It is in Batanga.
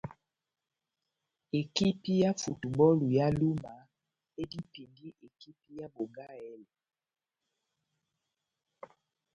Ekipi ya Futubὸlu ya Luma edipindi ekipi ya Bongahèlè.